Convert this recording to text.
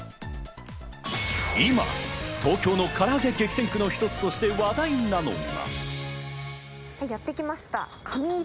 今、東京のからあげ激戦区の一つとして話題なのが。